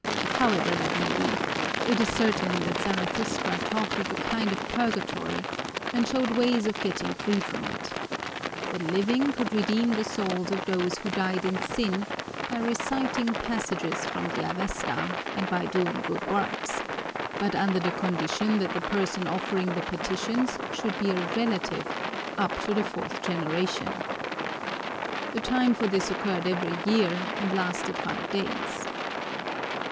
However that may be, it is certain that Zarathustra talked of a kind of purgatory and showed ways of getting free from it. The living could redeem the souls of those who died in sin by reciting passages from the Avesta and by doing good works, but under the condition that the person offering the petitions should be a relative, up to the fourth generation. The time for this occurred every year and lasted five days.